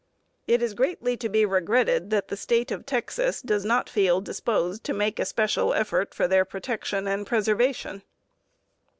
It is greatly to be regretted that the State of Texas does not feel disposed to make a special effort for their protection and preservation.